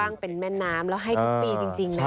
เรียกว้างเป็นแม่น้ำแล้วให้ทุกปีจริงนะครับ